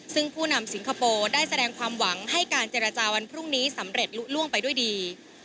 ซึ่งผู้นำสิงคโปร์ได้แสดงความหวังให้การเจรจาวันพรุ่งนี้สำเร็จลุล่วงไปด้วยดี